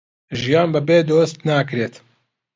ژیان بەبێ دۆست ناکرێت